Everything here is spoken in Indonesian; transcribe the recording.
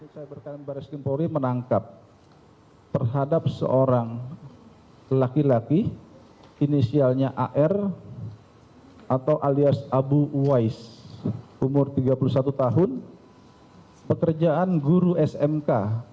cyberkan baris krimpori menangkap terhadap seorang laki laki inisialnya ar atau alias abu wais umur tiga puluh satu tahun pekerjaan guru smk